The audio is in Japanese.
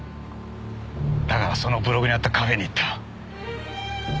だからそのブログにあったカフェに行った。